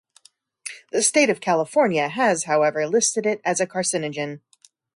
The State of California, has, however, listed it as a carcinogen.